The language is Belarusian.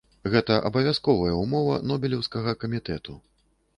Гэта абавязковая ўмова нобелеўскага камітэту.